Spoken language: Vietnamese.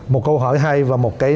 một câu hỏi hay và một cái